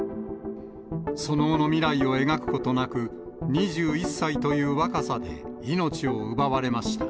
その後の未来を描くことなく、２１歳という若さで、命を奪われました。